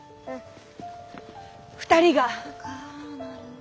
２人が。